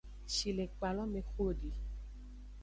Shilekpa lo me xo edi.